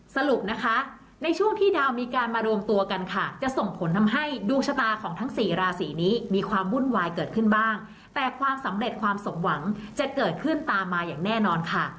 สรุปนะคะในช่วงที่ดาวมีการมารวมตัวกันค่ะจะส่งผลทำให้ดวงชะตาของทั้งสี่ราศีนี้มีความวุ่นวายเกิดขึ้นบ้างแต่ความสำเร็จความสมหวังจะเกิดขึ้นตามมาอย่างแน่นอนค่ะ